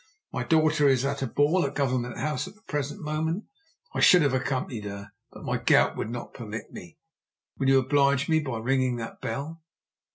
My daughter is at a ball at Government House at the present moment. I should have accompanied her, but my gout would not permit me. Will you oblige me by ringing that bell?"